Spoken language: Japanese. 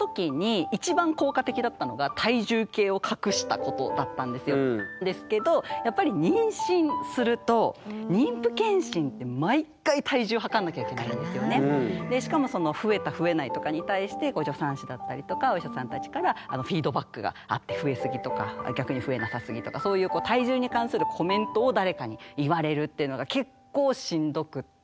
それを克服した時にですけどやっぱり妊娠するとしかもその増えた増えないとかに対して助産師だったりとかお医者さんたちからフィードバックがあって増えすぎとか逆に増えなさすぎとかそういう体重に関するコメントを誰かに言われるっていうのが結構しんどくって。